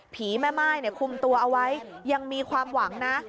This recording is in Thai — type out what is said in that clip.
แม่ม่ายคุมตัวเอาไว้ยังมีความหวังนะ